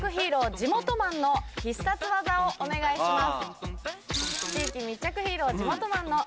地元マンの必殺技をお願いします。